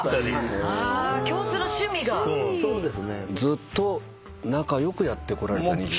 ずっと仲良くやってこられた２５年。